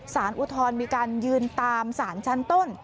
ศาลอุทธรมีการยื่นตามศาลชั้นต้น